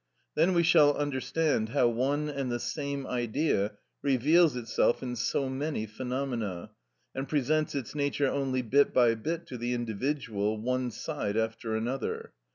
Then we shall understand how one and the same Idea reveals itself in so many phenomena, and presents its nature only bit by bit to the individual, one side after another.